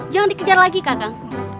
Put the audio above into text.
jangan dikejar lagi kakak